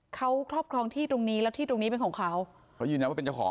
เขาครอบครองที่ตรงนี้แล้วที่ตรงนี้เป็นของเขาเขายืนยันว่าเป็นเจ้าของ